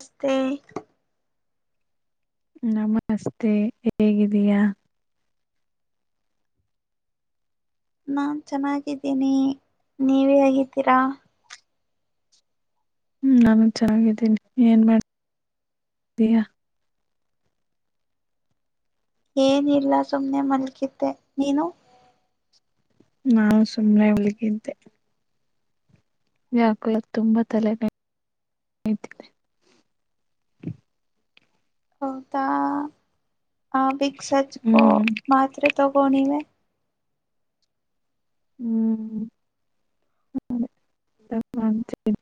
ನಸ್ತೆ [unintelligible] ನಮಸ್ತೆ ಹೇಗಿದೀಯಾ ನಾನ್ ಚೆನ್ನಾಗಿದ್ದೀನಿ ನೀವು ಹೇಗಿದ್ದೀರಾ ಹೂ ನಾನು ಚೆನ್ನಾಗಿದ್ದೀನಿ ಏನ್ ಮಾಡ್ತಾ ಇದೀಯಾ ಏನಿಲ್ಲ ಸುಮ್ನೆ ಮಲ್ಕತ್ತೆ ನೀನು ನಾನು ಸುಮ್ನೆ ಮಲಗಿದೆ ಯಾಕುಲದ ತುಂಬಾ ತಲೆ ನೋವ್ ಹೌದಾ ಆ ಬಿಗ್ ಸಚ್ಕೋ ಹ್ಮ್ ಮಾತ್ರೆ ತಗೋ ನೀ ನೀಿವವೆ ಹೂ ದಪ್ಪ ಆಗ್ತಾ ಇದೀನಿ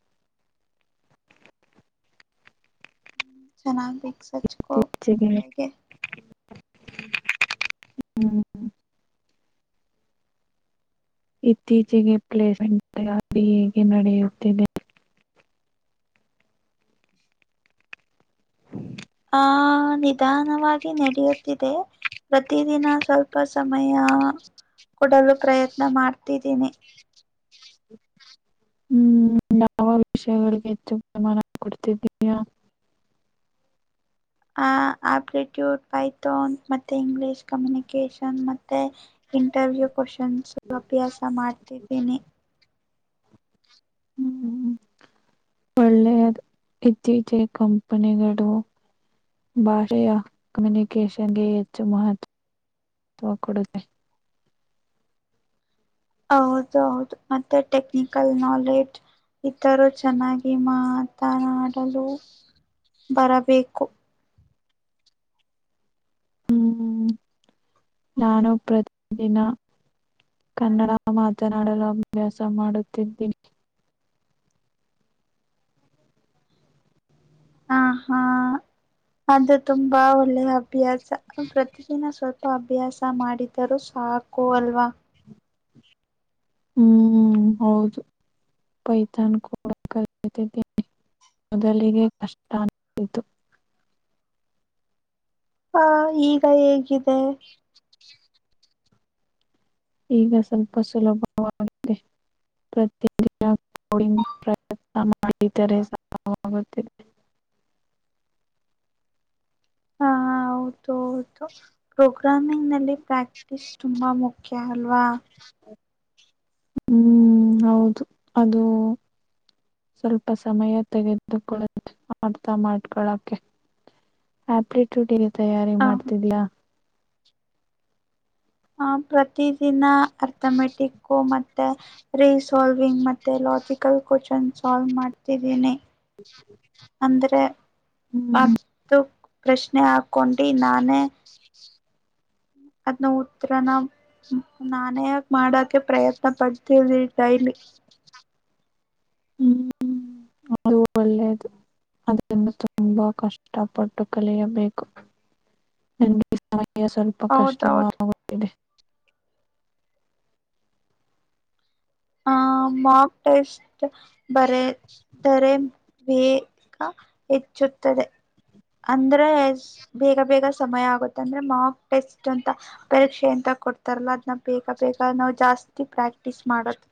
ಚೆನ್ನಾಗಿ ವಿಕ್ಸ್ ಅಚ್ಚ್ಕೋ ಇತ್ತೀಚೆಗೆ ಹ್ಮ್ ಇತ್ತೀಚೆಗೆ ಪ್ಲೇಸ್ಮೆಂಟ್ ಹೇಗೆ ನಡೆಯುತ್ತಿದೆ ಆಹ ನಿಧಾನವಾಗಿ ನಡೆಯುತ್ತಿದೆ ಪ್ರತಿದಿನ ಸ್ವಲ್ಪ ಸಮಯ ಕೊಡಲು ಪ್ರಯತ್ನ ಮಾಡ್ತಿದ್ದೀನಿ ಹೂ ಯಾವ ವಿಷಯಗಳಿಗೆ ಹೆಚ್ಚು ಪ್ರಮಾಣ ಕೊಡ್ತಿದಯಾ ಆ ಆಪ್ಲಿಟ್ಯೂಡ್ ಪೈಥೋನ್ ಮತ್ತೆ ಇಂಗ್ಲಿೀಷ್ ಕಮ್ಯುನಿಕೇಶನ್ ಮತ್ತೆ ಇಂಟರ್ವ್ಯೂ ಕ್ವಶನ್ಸ್ ಅಭ್ಯಾಸ ಮಾಡ್ತಿದ್ದೇನಿ ಇಲ್ಲ ಒಳ್ಳೆಯ ಇತ್ತೀಚೆಗೆ ಕಂಪನಿಗಳು ಭಾಷೆಯ ಕಮ್ಯುನಿಕೇಶನ್ಗೆ ಹೆಚ್ಚು ಮಹತ್ವ ಕೊಡುತ್ತೆ ಹೌದ ಹೌದು ಮತ್ತೆ ಟೆಕ್ನಿಕಲ್ ನಾಲೆಜ್ ಈಥರ ಚೆನ್ನಾಗಿ ಮಾಡಿ ನಾ ಆಡಲು ಬರಬೇಕು ಹೂ ನಾನು ಪ್ರತಿದಿನ ಕನ್ನಡ ಮಾತನಾಡಲು ಅಭ್ಯಾಸ ಮಾಡುತ್ತಿದ್ದೀನಿ ಹ ಹಾ ಅದು ತುಂಬಾ ಒಳ್ಳೆಯ ಅಭ್ಯಾಸ ದಿನ ಸ್ವಲ್ಪ ಅಭ್ಯಾಸ ಮಾಡಿದರೂ ಸಾಕು ಅಲ್ವಾ ಹೂ ಹೌದು ಪೈತನ್ ಕೂಡ ಕಲನಿ ಮೊದಲಿಗೆ ಕಷ್ಟ ಆಗಿಬಿಟ್ಟಿತ್ತು ಹಾ ಈಗ ಹೇಗಿದರೆ ಇಲ್ಲ ಈಗ ಸ್ವಲ್ಪ ಸುಲಭವಾಗಿದೆ ಪ್ರತಿ ದಿನಡಿ ಪ್ರಯತ್ನ ಮಾಡಿದರೆಾಗುತ್ತಿದೆ ಹ ಹೌದು ಹೌದು ಪ್ರೋಗ್ರಾಮಿಂಗ್ ನಲ್ಲಿ ಪ್ರಾಕ್ಟೀಸ್ ತುಂಬಾ ಮುಖ್ಯ ಕಲ್ವಾ ಹೂ ಹೌದು ಅದು ಸ್ವಲ್ಪ ಸಮಯ ತೆಗೆದುಕೊಳ್ಳತಾ ಅರ್ಥಮಾಡಿಕೊಳ್ಳೋಕೆ ಆಪ್ಲಿಟ್ಯೂಡ್ ಇ ತಯಾರಿ ಹ ಮಾಡ್ತಾ ಇದೀಯಾ ಆ ಪ್ರತಿದಿನ ಅರ್ಥಮೆಟಿಕ್ಕು ಮತ್ತೆ ರೀಸಾಲ್ವಿಂಗ್ ಮತ್ತೆ ಲಾಜಿಕಲ್ ಕೋಶನ್ ಸಾಲ್ವ್ ಮಾಡ್ತಿದ್ದೀನಿ ಅಂದ್ರೆ ಹ್ಮ್ ಪ್ರಶ್ನೆ ಹಾಕೊಂಡಿ ನಾನೇ ಅದ್ನ ಉತ್ತರನ ನಾನೇ ಮಾಡಕೆ ಪ್ರಯತ್ನ ಪಡ್ತೀನಿ ಡೈಲಿ ಹ [inaudible] ಅ ಒಳ್ಳೇದು ಅದರಿಂದ ತುಂಬಾ ಕಷ್ಟಪಟ್ಟು ಕಲಿಯಬೇಕು ನಂಗೆ ಸಮಯ ಸ್ವಲ್ಪ ಹೌದೌದು ಕಷ್ಟವಾಗುತಿದೆ ಆ ಮಕ್ ಟೆಸ್ಟ್ ಬರದೆ ಹೆಚ್ಚುತ್ತದೆ ಅಂದ್ರೆ ಬೇಗ ಬೇಗ ಸಮಯ ಆಗುತ್ತೆ ಅಂದ್ರೆ ಮಾರ್ಕ್ ಟೆಸ್ಟ್ ಅಂತ ಪರೀಕ್ಷೆ ಎಂತ ಕೊಡ್ತಾರಲ್ಲ ಅದ್ನ್ನ ಬೇಗ ಬೇಗ ನಾವ್ ಜಾಸ್ತಿ ಪ್ರಾಕ್ಟೀಸ್ ಮಾಡೋದು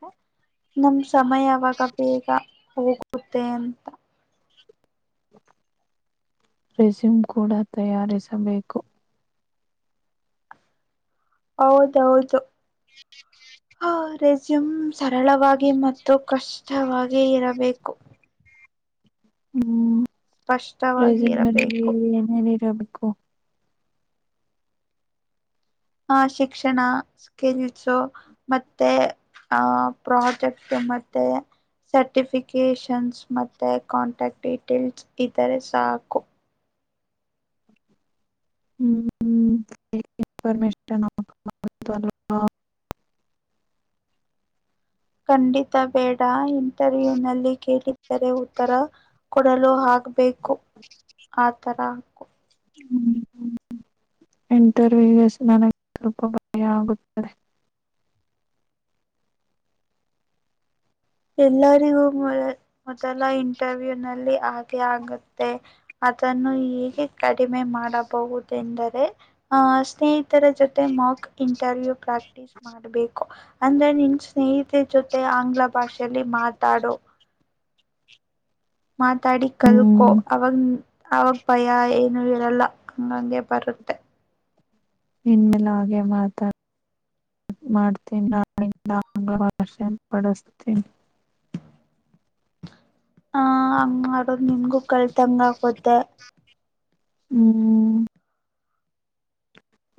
ನಮ ಸಮಯವಾಗ ಬೇಗ ಹೋಗುತ್ತೆ ಅಂತ ರೆಸ್ಯಮ್ ಕೂಡ ತಯಾರಿಸಬೇಕು ಹೌದೌದು ಹ ರೆಸ್ಯೂಮ್ ಸರಳವಾಗಿ ಮತ್ತು ಕಷ್ಟವಾಗಿ ಇರಬೇಕು ಹ್ಮ್ ಸ್ಪಷ್ಟವಾಗಿ ರೈಸನಲ್ಲಿ ಇರಬೇಕು ಏನೇನ ಇರಬೇಕು ಹ ಶಿಕ್ಷಣ ಸ್ಕಿಲ್ಸು ಮತ್ತೆ ಆ ಪ್ರಾಜೆಕ್ಟ್ ಮತ್ತೆ ಸರ್ಟಿಫಿಕೇಷನ್ಸ್ ಮತ್ತು ಕಾಂಟ್ಯಾಕ್ಟ್ ಡೀಟೇಲ್ಸ್ ಇದ್ದರೆ ಸಾಕು ಹ್ಮ್ ಇನ್ಫರ್ಮೇಶನ್ ನ ಖಂಡಿತ ಬೇಡ ಇಂಟರ್ವ್ಯೂ ನಲ್ಲಿ ಕೇಳರೆ ಉತ್ತರ ಕೊಡಲು ಆಗ್ಬೇಕು ಆತರ ಹ್ಮ್ ಇಂಟರ್ವ್ಯೂಸ್ ನನಗೆ ಸ್ವಲ್ಪ ಭಯ ಆಗುತ್ತದೆ ಎಲ್ಲರಿಗೂ ಮೊ ಮೊದಲ ಇಂಟರ್ವ್ಯೂ ನಲ್ಲಿ ಹಾಗೆ ಆಗುತ್ತೆ ಅದನ್ನು ಹೀಗೆ ಕಡಿಮೆ ಮಾಡಬಹುದೆಂದರೆ ಆ ಸ್ನೇಹಿತರ ಜೊತೆ ಮಕ್ ಇಂಟರ್ವ್ಯೂ ಪ್ರಾಕ್ಟಿಸಸ್ ಮಾಡಬೇಕು ಅಂದ್ರೆ ನಿನ್ ಸ್ನೇಹಿತರ ಜೊತೆ ಆಂಗ್ಲ ಭಾಷೆಯಲ್ಲಿ ಮಾತಾಡು ಮಾತಾಡಿ ಕಲ್ಕೊ ಹ್ಮ್ ಅವಾಗ ಆಗ ಭಯ ಏನು ಇರಲ್ಲ ಹಂಗಂಗೆ ಬರುತ್ತೆ ಇನ್ಮೇಲೆ ಹಾಗೆ ಮಾತಾ ಮಾಡ್ತೀನಿ ನಿಂದ ಆಂಗ್ಲ ಭಾಷೆ ಬಡಸ್ತೀನಿ ಹ ಹಂಗ್ ಮಾಡೋದು ನಿಮಗೂ ಕಲ್ತಂಗ ಆಕತ್ತೆ ಹ್ಮ್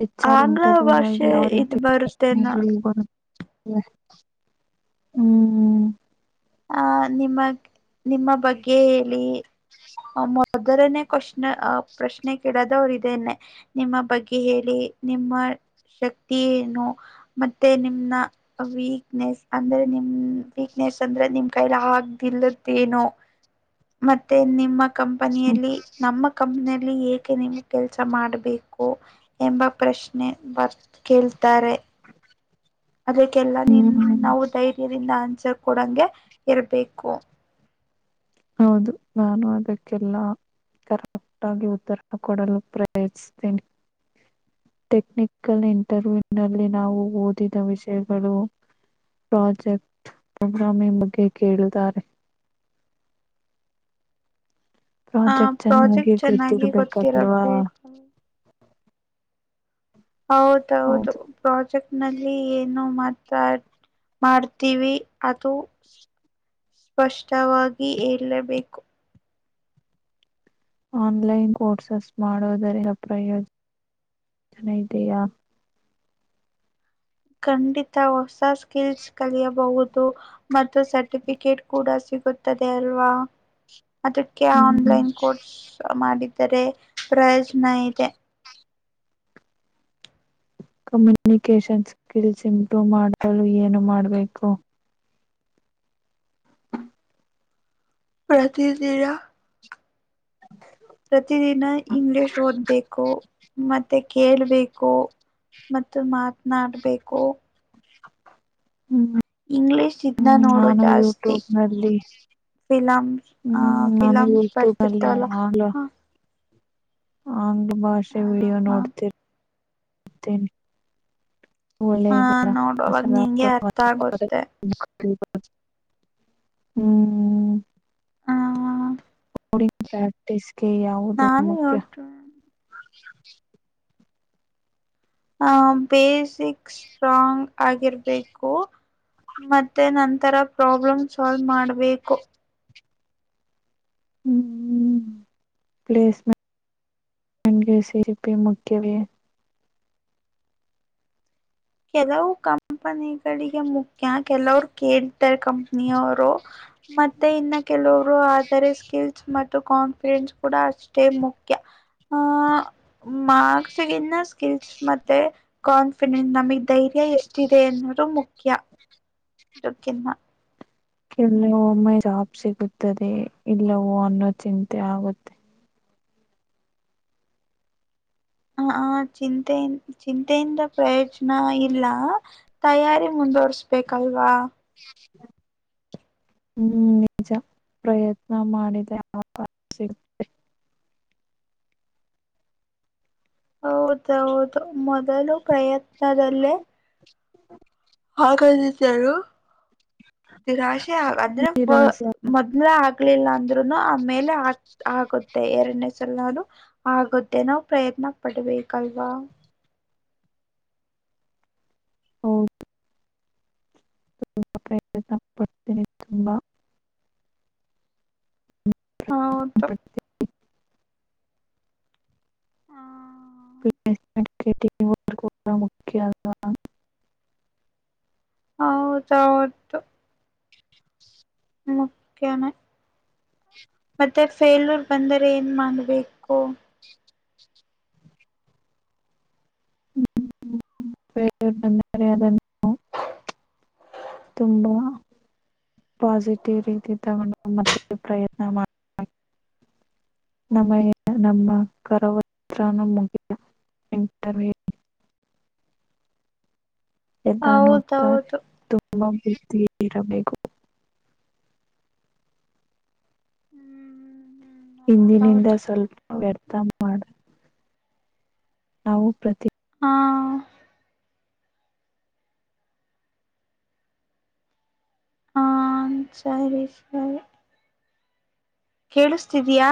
ಹೆಚ್ ಆರ್ ಆಂಗ್ಲ ಇಂಟರ್ವ್ಯೂನಲ್ಲಿ ಭಾಷೆ ಯಾವ ಇದು ರೀತಿ ಬರುತ್ತೆ ನೋಡಿ ಪ್ರಶ್ನೆಗಳು ಹ್ಮ್ ಆ ನಿಮ್ಮಗ್ ನಿಮ್ಮ ಬಗ್ಗೆ ಹೇಳಿ ಮೊದರನೇ ಕವಶ್ನ ಪ್ರಶ್ನೆ ಕೇಳದು ಅವ್ರು ಇದೇನೆ ನಿಮ್ಮ ಬಗ್ಗೆ ಹೇಳಿ ನಿಮ್ಮ ಶಕ್ತಿನು ಮತ್ತೆ ನಿಮ್ನ ವೀಕ್ನೆಸ್ ಅಂದ್ರೆ ನಿಮ ವೀಕ್ನೆಸ್ ಚಂದ್ರ ನಿಮ್ ಕೈಲಿ ಆಗ್ದಿಲ್ಲದೇನೋ ಮತ್ತೆ ನಿಮ್ಮ ಕಂಪನಿಯಲ್ಲಿ ನಮ್ಮ ಕಂಪ್ನಿಯಲ್ಲಿ ಏಕೆ ನೀವು ಕೆಲಸ ಮಾಡಬೇಕು ಎಂಬ ಪ್ರಶ್ನೆ ಬರ್ ಕೇಳ್ತಾರೆ ಅದಕ್ಕೆಲ್ಲ ನಿನ್ ಹ್ಮ್ ನಾವು ಧೈರ್ಯದಿಂದ ಆನ್ಸರ್ ಕೊಡಂಗೆ ಇರಬೇಕು ಹೌದು ನಾನು ಅದಕ್ಕೆಲ್ಲ ಕರೆಕ್ಟ್ ಆಗಿ ಉತ್ತರ ಕೊಡಲು ಪ್ರಯತಸ್ತೇನೆ ಟೆಕ್ನಿಕಲ್ ಇಂಟರ್ವ್ಯೂ ನಲ್ಲಿ ನಾವು ಓದಿದ ವಿಷಯಗಳು ಪ್ರಾಜೆಕ್ಟ್ ಪ್ರೋಗ್ರಾಮಿಂಗ್ ಬಗ್ಗೆ ಕೇಳಾರೆ ಪ್ರಾಜೆಕ್ಟ್ ಆ ಚೆನ್ನಾಗಿ ಪ್ರಾಜೆಕ್ಟ್ ಚೆನ್ನಾಗಿ ಗೊತ್ತಿರ್ಬೇಕಲ್ವಾ ಗೊತ್ತಿರಬೇಕು ಹೌದೌದು ಹೌದು ಪ್ರಾಜೆಕ್ಟ್ ನಲ್ಲಿ ಏನು ಮಾತಾ ಮಾಡ್ತೀವಿ ಅದು ಸ್ಪಷ್ಟವಾಗಿ ಹೇಳಬೇಕು ಆನ್ಲೈನ್ ಕೋರ್ಸಸ್ ಮಾಡೋದರಿ [unintelligible] ಪ್ರಯೋಜನ ಇದೆಯಾ ಖಂಡಿತ ಹೊಸ ಸ್ಕಿಲ್ಸ್ ಕಲಿಯಬಹುದು. ಮತ್ತು ಸರ್ಟಿಫಿಕೇಟ್ ಕೂಡ ಸಿಗುತ್ತದೆ ಅಲ್ವಾ ಅದಕ್ಕೆ ಹ್ಮ್ ಆನ್ಲೈನ್ ಕೋರ್ಸ್ ಮಾಡಿದ್ದರೆ ಪ್ರಯೋಜನ ಇದೆ. ಕಮ್ಯುನಿಕೇಶನ್ ಸ್ಕಿಲ್ಸ್ ಇಂಪ್ರೂವ್ ಮಾಡಲು ಏನು ಮಾಡಬೇಕು? ಪ್ರತಿದಿನ ಪ್ರತಿದಿನ ಇಂಗ್ಲಿಷ್ ಓದ್ಬೇಕು ಮತ್ತ ಮತ್ತೆ ಕೇೇಳಬೇಕು ಮತ್ತು ಮಾತನಾಡಬೇಕು. ಹ್ಮ್ ಇಂಗ್ಲಿಷ್ ಇದನ್ನ ಹ್ಮ್ ನೋಡು ನಾನು ಜಾಸ್ತಿ ಯೂಟ್ಯೂಬ್ನಲ್ಲಿ ಫಿಲಮ್ಸ್ ಆ ಹ್ಮ್ ನಾನು ಫಿಲಮ್ಸ್ ಯೌಟ್ಯೂಬ್ ನಲ್ಲಿ ಬರ್ತಿರ್ತವಲ್ಲ [unintelligible] ಹ ಆಂಗ್ಲ ಹ ಭಾಷೆ ವಿಡಿಯೋ ಹ ನೋಡ್ತಿರ್ತೇನಿ ಹ ಒಳ್ಳೆದಾರ ನೋಡೋವಾಗ ನಿಂಗೆ ಅರ್ಥ ಆಗುತ್ತೆ [unintelligible] [unintelligible] [unintelligible] [unintelligible] ಹ್ಮ್ ಆ ಪ್ರ್ಯಾಕ್ಟಿಸ್ಗೆ ಯಾವುದು ಮುಖ್ಯ? ಹಾ [unintelligible] ಆ ಬೇಸಿಕ್ ಸ್ಟ್ರಾಂಗ್ ಆಗಿರ್ಬೇಕು ಮತ್ತೆ ನನ್ ತರ ಪ್ರಾಬ್ಲಮ್ ಸಾಲ್ವ್ ಮಾಡ್ಬೇಕು. ಹ್ಮ ಹ್ಮ್ ಪ್ಲೇಸ್ಮೆಂಟ್ಗೆ [unintelligible] ಸಿರಿಪಿ ಮುಖ್ಯವೇ? ಕೆಲವು ಕಂಪನಿಗಳಿಗೆ ಮುಖ್ಯ ಕೆಲವ್ರು ಕೇಳ್ತಾರೆ ಕಂಪನಿಯವರು ಮತ್ತೆ ಇನ್ನ ಕೆಲವರು ಆದರೆ ಸ್ಕಿಲ್ಸ್ ಮತ್ತು ಕಾನ್ಫಿಡೆನ್ಸ್ ಕೂಡ ಅಷ್ಟೇ ಮುಖ್ಯ. ಆ ಮಾರ್ಕ್ಸ ಗಿನ್ನ ಸ್ಕಿಲ್ಸ್ ಮತ್ತೆ ಕಾನ್ಫಿಡೆನ್ಸ್ ನಮಗೆ ಧೈರ್ಯ ಎಷ್ಟಿದೆ ಅನ್ನೋದು ಮುಖ್ಯ. ಅದುಕಿನ್ನ ಕೆಲ್ಲವೂಮ್ಮೆ ಜಾಬ್ ಸಿಗುತ್ತದೆ ಇಲ್ಲವೋ ಅನ್ನೋ ಚಿಂತೆ ಆಗುತ್ತೆ ಹ ಚಿಂತೆೆಯಿಂದ -ಚಿಂತೆಯಿಂದ ಪ್ರಯೋಜನ ಇಲ್ಲ. ತಯಾರಿ ಮುಂದುವರೆಸ್ಬೇಕಲ್ವಾ. [unintelligible] ಹ್ಮ್ ನಿಜ ಪ್ರಯತ್ನ ಮಾಡಿದೆ [unintelligible] ಹೌದೌದು ಮೊದಲು ಪ್ರಯತ್ನದಲ್ಲೇ [inaudible] [unintelligible] ಆಗಂದಿದ್ ಯಾರು ರಾಶಿ ಅಂದ್ರೆ ಪ ನಿರಾಸೆ ಮೊದ್ವೇ ಆಗ್ಲಿಲ್ಲ ಅಂದ್ರುನು ಆಮೇಲೆ ಆ ಆಗುತ್ತೆ ಎರಡನೇ ಸಲನು. ಆಗುತ್ತೆ ನಾವು ಪ್ರಯತ್ನ ಪಡ್ಬೇಕಲ್ವಾ. ಹೌ [unintelligible] [unintelligible] ಪ್ರಯತ್ನ ಪಡ್ತೇನೆ ತುಂಬಾ ಹೌದು ಹ [unintelligible] [unintelligible] [unintelligible] [unintelligible] [unintelligible] ಮುಖ್ಯ ಹೌದೌದು ಮುಖ್ಯನೇ ಮತ್ತೆ ಫೇಲೂರ್ ಬಂದರೆ ಏನ್ ಮಾಡಬೇಕು? ಫೇಲೂರ್ ಬಂದರೆ ಅದನ್ನು ತುಂಬಾ ಪಾಸಿಟಿವ್ ರೀತಿ ತಗೊಂಡು ಮತ್ತೆ ಪ್ರಯತ್ನ ಮಾ [unintelligible] ಇಂಟರ್ವೂ ಎಲ್ಲ ನೋಡ್ತಾರೆ ಹೌದೌದು ತುಂಬಾ [unintelligible] ಇರಬೇಕು. ಹ್ಮ್ ಹಿಂದಿನಿಂದ ಹೌದೌದು ಸ್ವಲ್ಪ ವ್ಯರ್ಥ ಮಾಡ ನಾವು ಪ್ರತಿ ಆ ಹಾ ಸರಿ ಸರಿ. ಕೇಳಿಸ್ತಿದೀಯಾ?